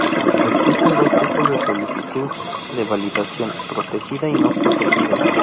Existen dos tipos de solicitud de validación: Protegida y no protegida.